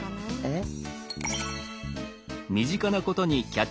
えっ？